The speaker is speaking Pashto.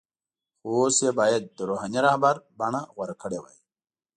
خو اوس یې باید د “روحاني رهبر” بڼه غوره کړې وای.